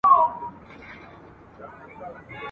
چي قلم مي له لیکلو سره آشنا سوی دی !.